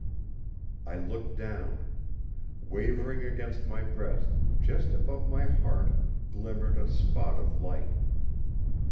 I looked down. Wavering against my breast, just above my heart glimmered a spot of light.